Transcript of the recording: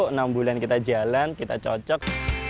enam bulan kita jalan kita cocok